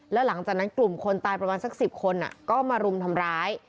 แล้วหลังจากนั้นกลุ่มคนตายประมาณสัก๑๐คนก็มารุมทำร้าย